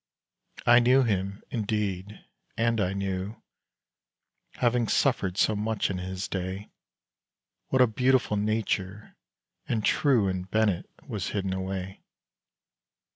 I knew him, indeed; and I knew, Having suffered so much in his day, What a beautiful nature and true In Bennett was hidden away.